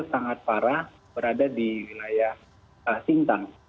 sangat parah berada di wilayah sintang